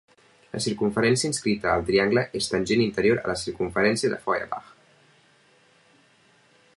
La circumferència inscrita al triangle és tangent interior a la circumferència de Feuerbach.